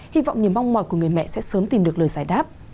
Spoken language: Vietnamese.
hy vọng niềm mong mỏi của người mẹ sẽ sớm tìm được lời giải đáp